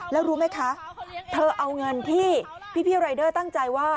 แล้วรู้ไหมคะเธอเอาเงินที่พี่รายเดอร์ตั้งใจว่า